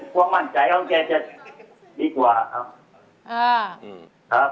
ความมั่นใจเขาควรคือดีกว่าครับ